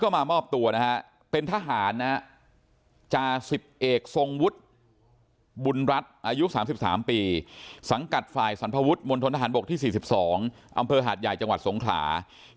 อำเภอหาดใหญ่จังหวัดสงขรา